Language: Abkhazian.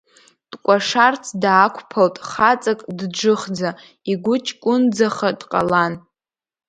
Дкәашарц даақәԥалт хаҵак дџыхӡа, игәы ҷкәынӡаха дҟалан.